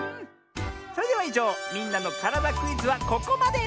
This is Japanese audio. それではいじょう「みんなのからだクイズ」はここまで！